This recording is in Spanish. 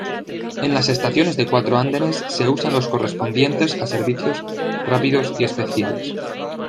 En las estaciones de cuatro andenes usa los correspondientes a servicios rápidos y especiales.